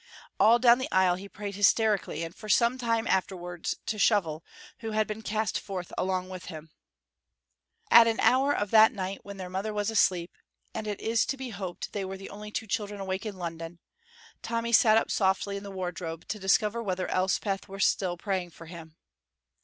All down the aisle he prayed hysterically, and for some time afterwards, to Shovel, who had been cast forth along with him. At an hour of that night when their mother was asleep, and it is to be hoped they were the only two children awake in London, Tommy sat up softly in the wardrobe to discover whether Elspeth was still praying for him.